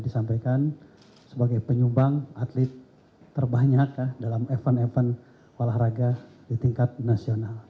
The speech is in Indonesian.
disampaikan sebagai penyumbang atlet terbanyak dalam event event olahraga di tingkat nasional